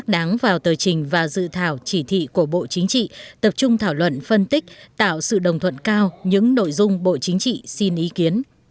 đáng vào tờ trình và dự thảo chỉ thị của bộ chính trị tập trung thảo luận phân tích tạo sự đồng thuận cao những nội dung bộ chính trị xin ý kiến